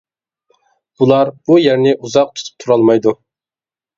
بۇلار بۇ يەرنى ئۇزاق تۇتۇپ تۇرالمايدۇ.